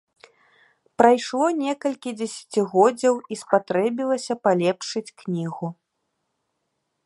Прайшло некалькі дзесяцігоддзяў, і спатрэбілася палепшыць кнігу.